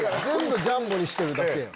全部ジャンボにしてるだけ。